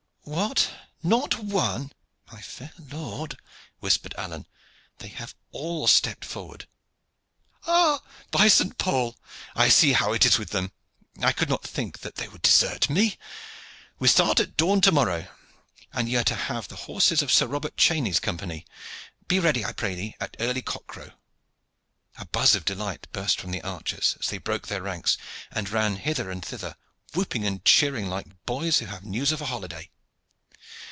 "What! not one " "My fair lord," whispered Alleyne, "they have all stepped forward." "Ah, by Saint Paul! I see how it is with them. I could not think that they would desert me. We start at dawn to morrow, and ye are to have the horses of Sir Robert Cheney's company. Be ready, I pray ye, at early cock crow." A buzz of delight burst from the archers, as they broke their ranks and ran hither and thither, whooping and cheering like boys who have news of a holiday.